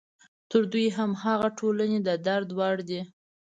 تر دوی هم هغه ټولنې د درد وړ دي.